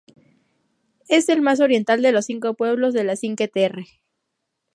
Es el más oriental de los cinco pueblos de las Cinque Terre.